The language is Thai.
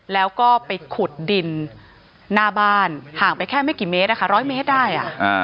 แล้วก็ไปขุดดินหน้าบ้านห่างไปแค่ไม่กี่เมตร๑๐๐เมตรได้